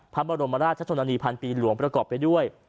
พระบรมราชชนนานีพันปีหลวงประกอบไปด้วย